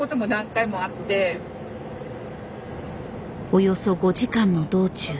およそ５時間の道中。